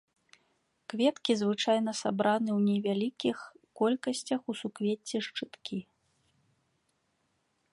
Кветкі звычайна сабраны ў невялікіх колькасцях ў суквецці-шчыткі.